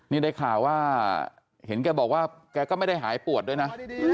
นี่ได้ข่าวว่าเห็นแกบอกว่าแกก็ไม่ได้หายปวดด้วยนะ